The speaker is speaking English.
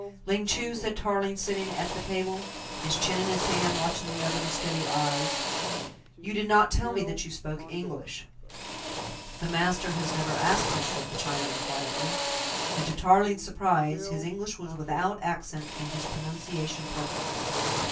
"Ling Chu," said Tarling, sitting at the table, his chin in his hand, watching the other with steady eyes, "you did not tell me that you spoke English." "The master has never asked me," said the Chinaman quietly, and to Tarling's surprise his English was without accent and his pronunciation perfect.